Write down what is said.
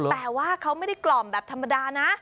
แต่ว่าเขาไม่ได้กล่อมแบบธรรมดานะ